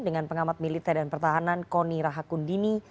dengan pengamat militer dan pertahanan kony rahakundini